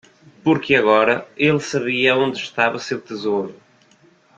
Porque agora ele sabia onde estava seu tesouro.